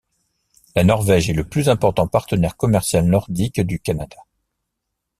La Norvège est le plus important partenaire commercial nordique du Canada.